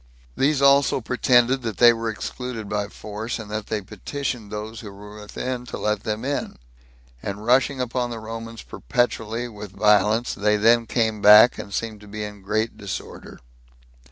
These also pretended that they were excluded by force, and that they petitioned those that were within to let them in; and rushing upon the Romans perpetually, with violence, they then came back, and seemed to be in great disorder.